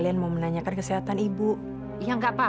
oh ya bagaimana saya akan hidup